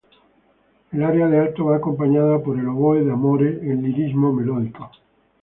El aria de alto va acompañada por el oboe "d'amore" en lirismo melódico.